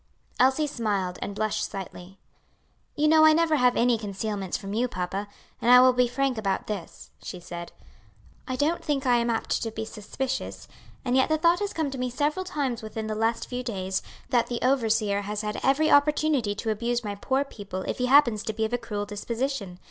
Elsie smiled, and blushed slightly. "You know I never have any concealments from you, papa, and I will be frank about this," she said. "I don't think I apt to be suspicious, and yet the thought has come to me several times within the last few days, that the overseer has had every opportunity to abuse my poor people if he happens to be of a cruel disposition.